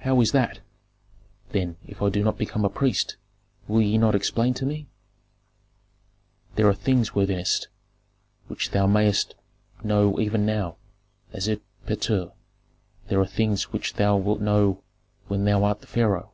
"How is that? Then, if I do not become a priest, will ye not explain to me?" "There are things, worthiness, which thou mayest know even now, as erpatr, there are others which thou wilt know when thou art the pharaoh.